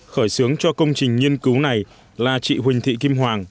khởi xướng cho công trình nghiên cứu này là chị huỳnh thị kim hoàng